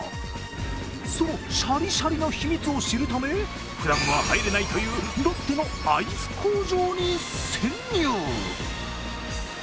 そのシャリシャリの秘密を知るため、ふだんは入れないというロッテのアイス工場に潜入。